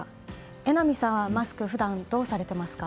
榎並さんはマスク普段どうされていますか？